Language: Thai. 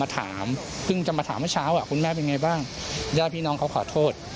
ถามเพิ่งจะมาถามเมื่อเช้าคุณแม่เป็นไงบ้างญาติพี่น้องเขาขอโทษ